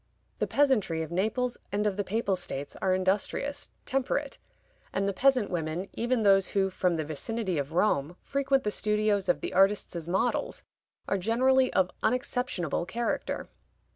The peasantry of Naples and of the Papal States are industrious, temperate; and the peasant women, even those who, from the vicinity of Rome, frequent the studios of the artists as models, are generally of unexceptionable character.